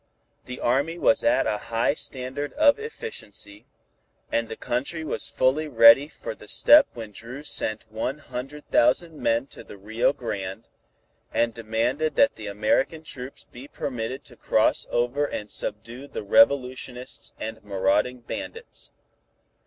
The Army was at a high standard of efficiency, and the country was fully ready for the step when Dru sent one hundred thousand men to the Rio Grande, and demanded that the American troops be permitted to cross over and subdue the revolutionists and marauding bandits.